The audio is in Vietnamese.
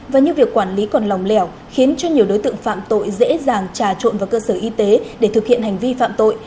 và như việc quản lý còn lòng lẻo khiến cho nhiều đối tượng phạm tội dễ dàng trà trộn vào cơ sở y tế để thực hiện hành vi phạm tội